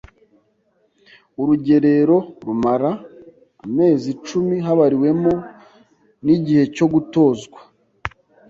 Urugerero rumara amezi icumi habariwemo n ‘igihe cyo gutozwa.